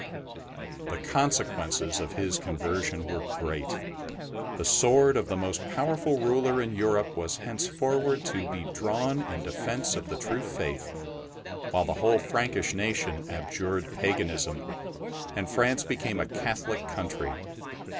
The consequences of his conversion were great. The sword of the most powerful ruler in Europe was henceforward to be drawn in defence of the true Faith, while the whole Frankish nation abjured paganism, and France became a Catholic country.